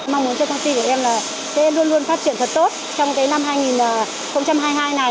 mong muốn cho canxi của em là sẽ luôn luôn phát triển thật tốt trong cái năm hai nghìn hai mươi hai này